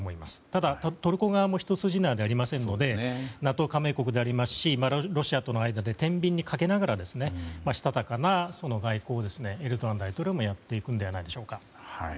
ただ、トルコ側も一筋縄ではありませんのでＮＡＴＯ加盟国ですしロシアの間で天秤にかけながらしたたかな外交をエルドアン大統領もやっていくのではないでしょうか。